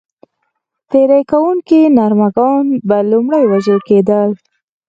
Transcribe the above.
تېري کوونکي نر مږان به لومړی وژل کېدل.